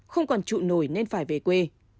không còn trụ nổi nên phải về quê